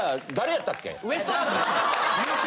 ・優勝！